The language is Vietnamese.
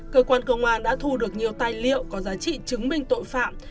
cơ quan công an đã thu được nhiều tài liệu có giá trị chứng minh tội phạm